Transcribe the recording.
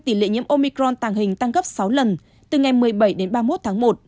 ở anh tỷ lệ nhiễm omicron tàng hình tăng gấp sáu lần từ ngày một mươi bảy đến ba mươi một tháng một